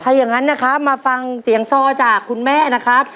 ถ้าอย่างนั้นนะครับมาฟังเสียงซอจากคุณแม่นะครับ